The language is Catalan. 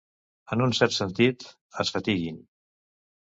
En un cert sentit, es fatiguin.